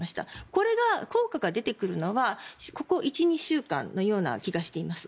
これが効果が出てくるのはここ１２週間のような気がしています。